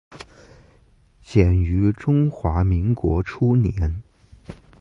建于中华民国初年。